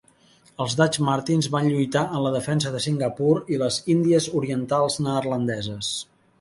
Els Dutch Martins van lluitar en la defensa de Singapur i les Índies Orientals Neerlandeses.